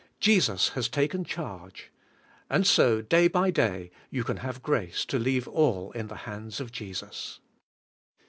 Jesus has taken charge. And so, day by day, you can have grace to leave all in the hands of Jesus.